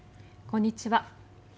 こんにちは。